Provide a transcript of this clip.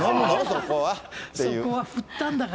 そこは。